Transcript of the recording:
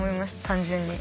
単純に。